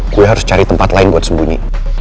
gue harus cari tempat lain buat sembunyi